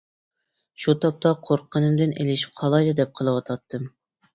شۇ تاپتا قورققىنىمدىن ئېلىشىپ قالايلا دەپ قېلىۋاتاتتىم.